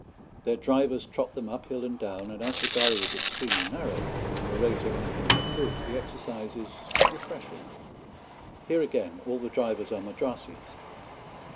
Their drivers trot them uphill and down, and as the ghari is extremely narrow and the roads are anything but good, the exercise is refreshing. Here again all the drivers are Madrassis.